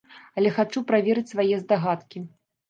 Але хачу праверыць свае здагадкі.